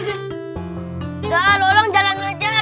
udah lo orang jalan jalan aja